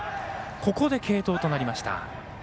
ここで継投となりました。